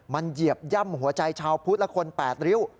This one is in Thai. มันเหยียบย่ำหัวใจชาวพุทธและคน๘ริ้ว